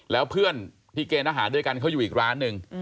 แล้วเพื่อนที่เกณฑ์อาหารด้วยกันเขาอยู่อีกร้านหนึ่ง